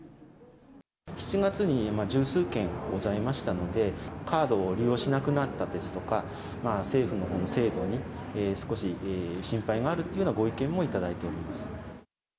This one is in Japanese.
７月に十数件はございましたので、カードを利用しなくなったですとか、政府の制度に少し心配があるというようなご意見も頂いています。